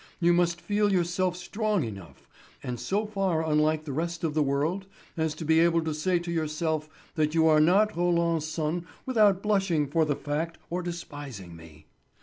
You must feel yourself strong enough, and so far unlike the rest of the world, as to be able to say to yourself that you are not Roland's son without blushing for the fact or despising me.